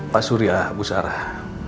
pak surya bu sarah